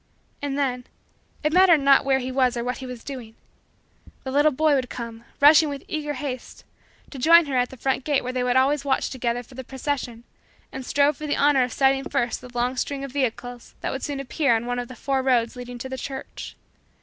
And then it mattered not where he was or what he was doing the little boy would come, rushing with eager haste, to join her at the front gate where they always watched together for the procession and strove for the honor of sighting first the long string of vehicles that would soon appear on one of the four roads leading to the church.